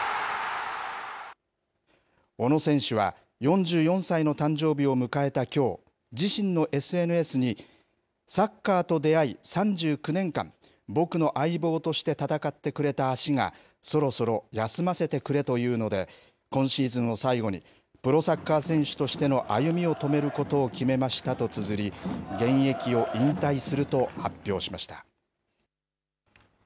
小野選手は、４４歳の誕生日を迎えたきょう、自身のＳＮＳにサッカーと出会い、３９年間、僕の相棒として戦ってくれた足が、そろそろ休ませてくれと言うので、今シーズンを最後にプロサッカー選手としての歩みを止めることを決めましたとつづり、現役を引退すると発表しました。